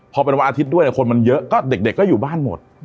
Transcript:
พอเป็นวันอาทิตย์ด้วยคนมันเยอะก็เด็กก็อยู่บ้านหมด